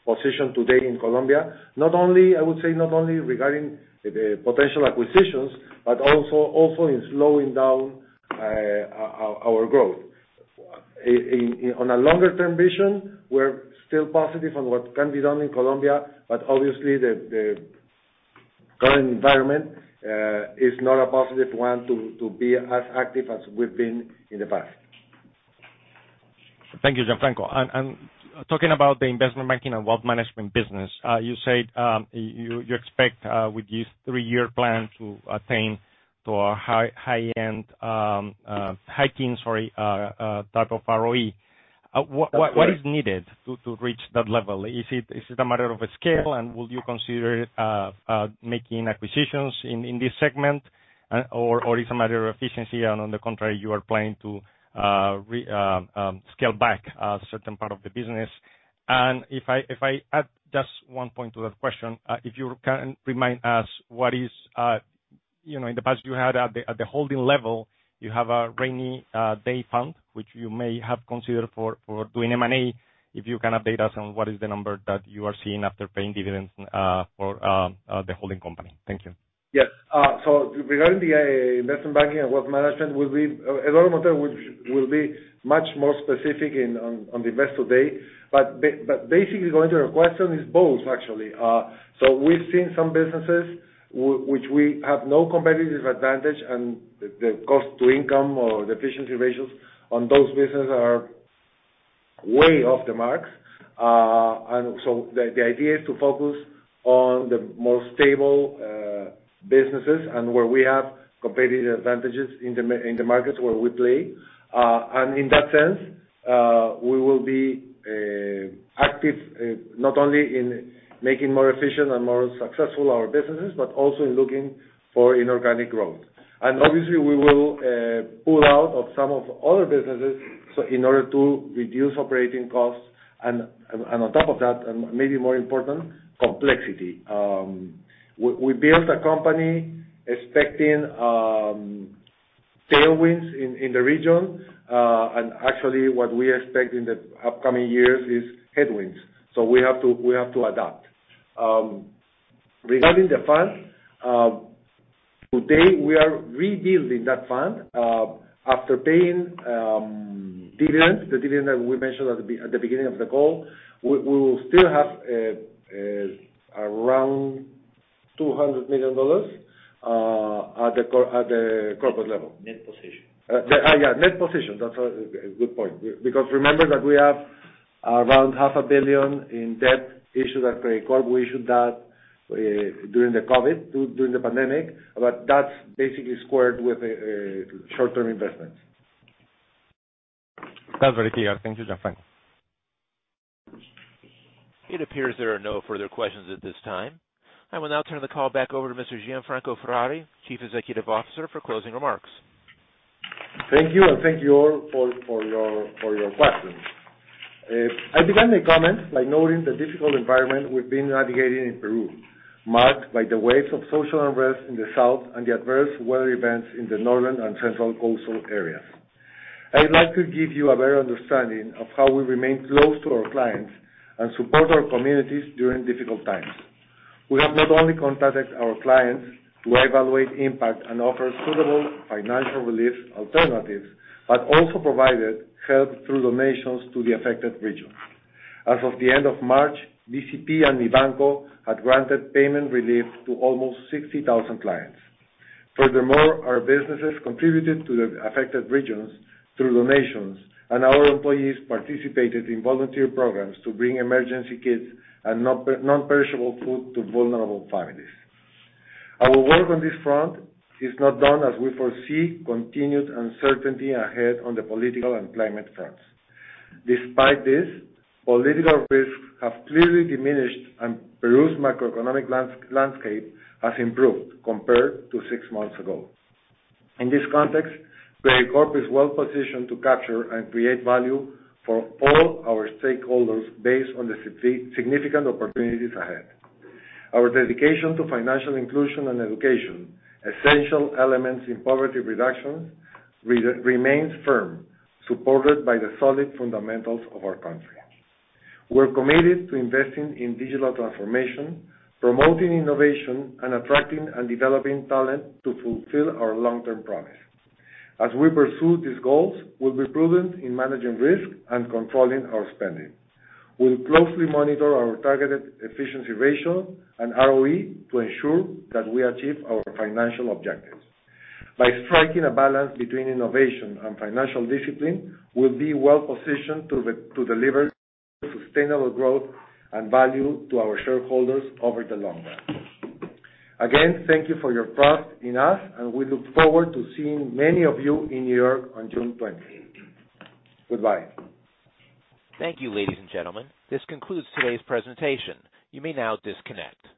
position today in Colombia. Not only, I would say not only regarding the potential acquisitions, but also in slowing down our growth. On a longer term vision, we're still positive on what can be done in Colombia, obviously the current environment is not a positive one to be as active as we've been in the past. Thank you, Gianfranco. Talking about the investment banking and wealth management business, you said you expect with this three-year plan to attain to a high-end, high-tier, sorry, type of ROE. What is needed to reach that level? Is it a matter of scale? Will you consider making acquisitions in this segment? Or is it a matter of efficiency and on the contrary, you are planning to scale back a certain part of the business? If I add just one point to that question, if you can remind us what is... You know, in the past you had at the holding level, you have a rainy day fund, which you may have considered for doing M&A. If you can update us on what is the number that you are seeing after paying dividends for the holding company. Thank you. Yes. Regarding the investment banking and wealth management Eduardo Montero will be much more specific on the Investor Day. Basically going to your question is both actually. We've seen some businesses which we have no competitive advantage and the cost to income or the efficiency ratios on those businesses are way off the mark. The idea is to focus on the more stable businesses and where we have competitive advantages in the markets where we play. In that sense, we will be active not only in making more efficient and more successful our businesses, but also in looking for inorganic growth. Obviously, we will pull out of some of other businesses, so in order to reduce operating costs and on top of that, and maybe more important, complexity. We built a company expecting tailwinds in the region. Actually, what we expect in the upcoming years is headwinds, so we have to adapt. Regarding the fund, today, we are rebuilding that fund. After paying dividends, the dividend that we mentioned at the beginning of the call, we will still have around $200 million at the corporate level. Net position. Yeah, net position. That's a good point. because remember that we have around $500,000 million in debt issued at Credicorp. We issued that during the COVID, during the pandemic, but that's basically squared with short-term investments. That's very clear. Thank you, Gianfranco. It appears there are no further questions at this time. I will now turn the call back over to Mr. Gianfranco Ferrari, Chief Executive Officer, for closing remarks. Thank you. Thank you all for your questions. I began the comments by noting the difficult environment we've been navigating in Peru, marked by the waves of social unrest in the south and the adverse weather events in the northern and central coastal areas. I'd like to give you a better understanding of how we remain close to our clients and support our communities during difficult times. We have not only contacted our clients to evaluate impact and offer suitable financial relief alternatives, but also provided help through donations to the affected regions. As of the end of March, BCP and Mibanco had granted payment relief to almost 60,000 clients. Furthermore, our businesses contributed to the affected regions through donations, and our employees participated in volunteer programs to bring emergency kits and non-perishable food to vulnerable families. Our work on this front is not done as we foresee continued uncertainty ahead on the political and climate fronts. Despite this, political risks have clearly diminished and Peru's macroeconomic landscape has improved compared to six months ago. In this context, Credicorp is well-positioned to capture and create value for all our stakeholders based on the significant opportunities ahead. Our dedication to financial inclusion and education, essential elements in poverty reduction, remains firm, supported by the solid fundamentals of our country. We're committed to investing in digital transformation, promoting innovation, and attracting and developing talent to fulfill our long-term promise. As we pursue these goals, we'll be prudent in managing risk and controlling our spending. We'll closely monitor our targeted efficiency ratio and ROE to ensure that we achieve our financial objectives. By striking a balance between innovation and financial discipline, we'll be well-positioned to deliver sustainable growth and value to our shareholders over the long run. Thank you for your trust in us, and we look forward to seeing many of you in New York on June 20th. Goodbye. Thank you, ladies and gentlemen. This concludes today's presentation. You may now disconnect.